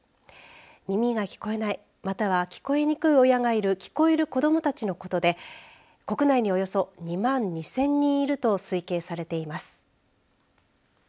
耳が聞こえないまたは聞こえにくい親がいる子どもたちのことで国内におよそ２万２０００人いると推計されています。